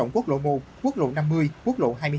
một quốc lộ năm mươi quốc lộ hai mươi hai